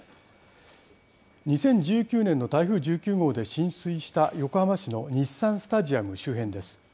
２０１９年の台風１９号で浸水した横浜市の日産スタジアム周辺です。